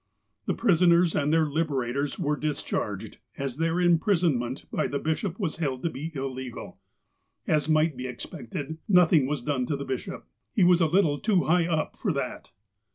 The prisoners and their liberators were discharged, as their imprisonment by the bishop was held to be illegal. As might be expected, nothing was done to the bishop. He was a little too high up for that.